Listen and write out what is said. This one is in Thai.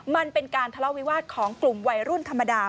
มันเป็นการทะเลาวิวาสของกลุ่มวัยรุ่นธรรมดา